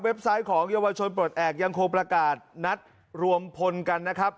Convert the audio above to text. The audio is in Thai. ไซต์ของเยาวชนปลดแอบยังคงประกาศนัดรวมพลกันนะครับ